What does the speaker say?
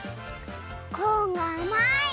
コーンがあまい！